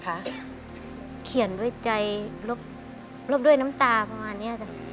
เขียนด้วยใจลบด้วยน้ำตาประมาณนี้จ้ะ